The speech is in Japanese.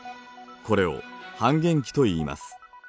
これを半減期といいます。